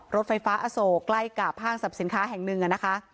รถไฟฟ้าอโศกใกล้กับห้างสรรพสินค้าแห่งหนึ่งนะคะ